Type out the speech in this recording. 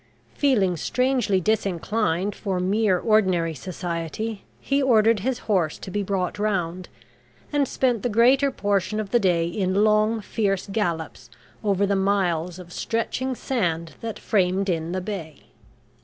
Feeling strangely disinclined for mere ordinary society, he ordered his horse to be brought round and spent the greater portion of the day in long, fierce gallops over the miles of stretching sand that framed in the bay.